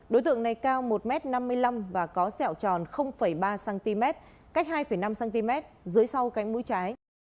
đối tượng này cao một m năm mươi năm và có sẹo tròn ba cm cách hai năm cm dưới sau cánh mũi trái